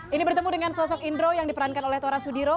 ini bertemu dengan sosok indro yang diperankan oleh tora sudiro